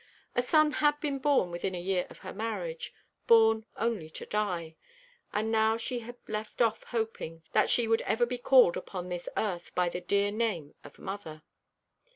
A son had been born within a year of her marriage born only to die: and now she had left off hoping that she would ever be called upon this earth by the dear name of mother.